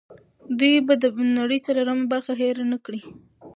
دوی به د نړۍ څلورمه برخه هېر نه کړي.